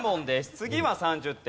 次は３０点